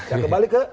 ya kebalik ke